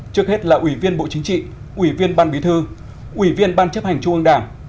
trước hết là ủy viên bộ chính trị ủy viên ban bí thư ủy viên ban chấp hành trung ương đảng